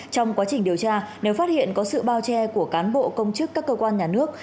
trong quá trình điều tra nếu phát hiện có sự bao che của cán bộ công chức các cơ quan nhà nước